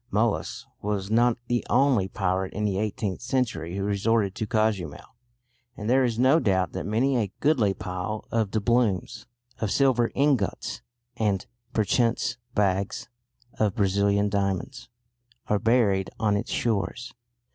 Molas was not the only pirate in the eighteenth century who resorted to Cozumel, and there is no doubt that many a goodly pile of doubloons, of silver ingots, and perchance bags of Brazilian diamonds, are buried on its shores.